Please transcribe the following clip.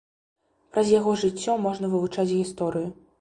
Праз яго жыццё можна вывучаць гісторыю.